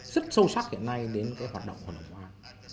rất sâu sắc hiện nay đến cái hoạt động của hội đồng bảo an